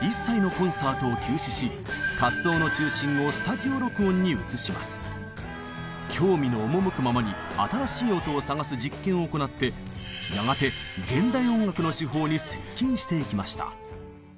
ビートルズは興味の赴くままに新しい音を探す実験を行ってやがて現代音楽の手法に接近していきました。